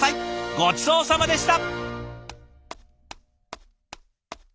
ごちそうさまでした！